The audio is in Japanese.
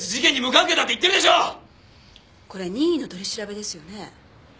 これ任意の取り調べですよね？